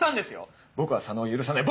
僕は佐野を許さない。